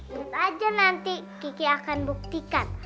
ntar nanti kiki akan buktikan